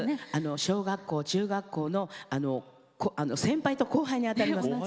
小学校、中学校の先輩と後輩にあたります。